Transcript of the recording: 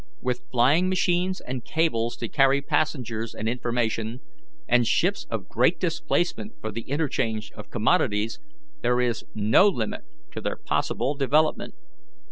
With flying machines and cables to carry passengers and information, and ships of great displacement for the interchange of commodities, there is no limit to their possible development.